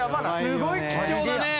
すごい貴重だね。